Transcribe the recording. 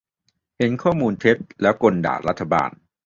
- เห็นข้อมูลเท็จ แล้วก่นด่ารัฐบาล